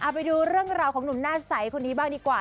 ไปดูเรื่องราวของหนุ่มหน้าใสคนนี้บ้างดีกว่า